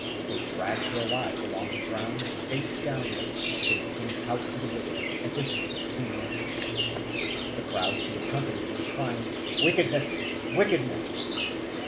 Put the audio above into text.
They dragged her alive along the ground, face downwards, from the king's house to the river, a distance of two miles, the crowds who accompanied her crying, "Wickedness! wickedness!"